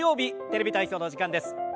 「テレビ体操」のお時間です。